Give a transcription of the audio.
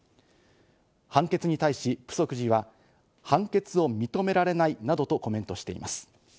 判決に対し、プソク寺は判決を認められないなどとコメントしています。